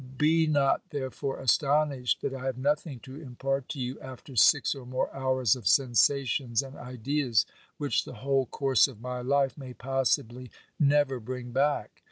Be not there fore astonished that I have nothing to impart to you after six or more hours of sensations and ideas which the whole course of my life may possibly never bring back.